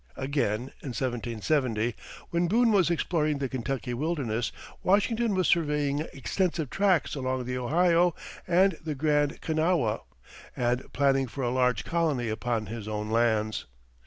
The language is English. Again, in 1770, when Boone was exploring the Kentucky wilderness, Washington was surveying extensive tracts along the Ohio and the Great Kanawha, and planning for a large colony upon his own lands.